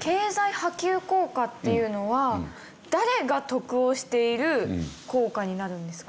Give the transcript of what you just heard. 経済波及効果っていうのは誰が得をしている効果になるんですか？